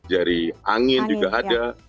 dari angin juga ada